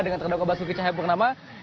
dengan terdakwa basuki cahayapurnamat